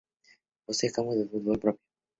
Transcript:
Posee campo de fútbol propio.